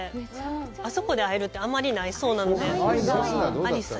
あそこで会えるってあんまりないそうなので。